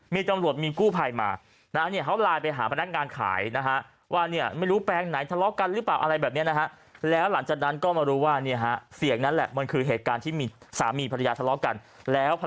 มีจำลวดมีกู้ภัยมาแล้วนี่เขาลายไปหาพนักงานขายนะฮะ